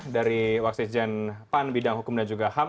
dari wakil presiden pan bidang hukum dan juga ham